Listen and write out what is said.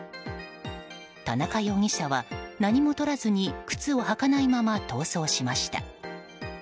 田中容疑者は、何も取らずに靴を履かないまま逃走しました。